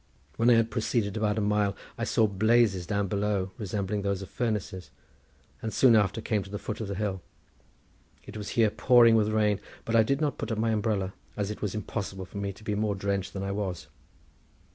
When I had proceeded about a mile I saw blazes down below, resembling those of furnaces, and soon after came to the foot of the hill. It was here pouring with rain, but I did not put up my umbrella as it was impossible for me to be more drenched than I was.